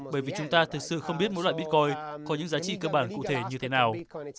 bởi vì chúng ta thực sự không biết mỗi loại bitcoin có những giá trị cơ bản cụ thể như thế nào